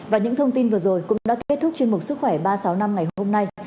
và những thông tin vừa rồi cũng đã kết thúc chuyên mục sức khỏe ba trăm sáu mươi năm ngày hôm nay